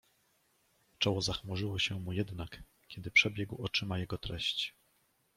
"Czoło zachmurzyło mu się jednak, kiedy przebiegł oczyma jego treść."